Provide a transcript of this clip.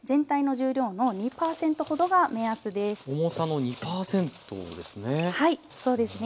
重さの２％ですね。